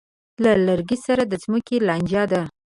له لر کلي سره د ځمکې لانجه ده.